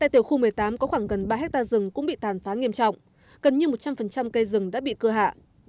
tại tiểu khu một mươi tám có khoảng gần ba hectare rừng cũng bị tàn phá nghiêm trọng gần như một trăm linh cây rừng đã bị cưa hạ